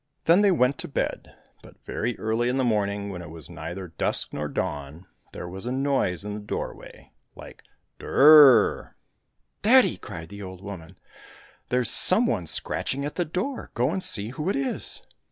Then they went to bed, but very early in the morning, when it was neither dusk nor dawn, there was a noise in the doorway like " Durrrrrr !"—" Daddy !" cried the old woman, " there's some one scratching at the door, go and see who it is